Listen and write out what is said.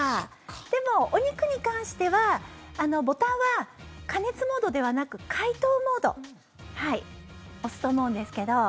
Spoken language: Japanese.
でも、お肉に関してはボタンは加熱モードではなく解凍モードを押すと思うんですけど。